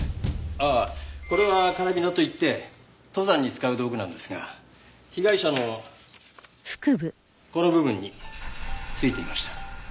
ああこれはカラビナといって登山に使う道具なんですが被害者のこの部分についていました。